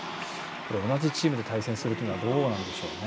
同じチームで対戦するというのはどうなんでしょうね。